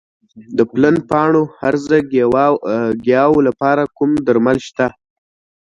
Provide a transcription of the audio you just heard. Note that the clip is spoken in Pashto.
د پلن پاڼو هرزه ګیاوو لپاره کوم درمل شته؟